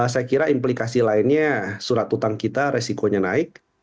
saya kira implikasi lainnya surat utang kita resikonya naik